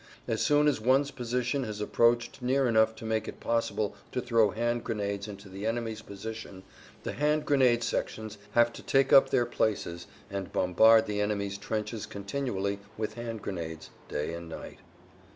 As soon as one's position has approached near enough to make it possible to throw hand grenades into the enemy's position the hand grenade sections have to take up their places and bombard the enemy's trenches continually with hand grenades, day and night.